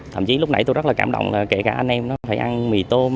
thậm chí lúc nãy tôi rất là cảm động là kể cả anh em nó phải ăn mì tôm